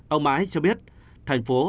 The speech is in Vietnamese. ông mãi cho biết thành phố